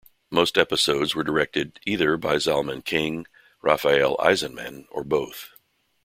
Most episodes were directed by either Zalman King, Rafael Eisenman or both.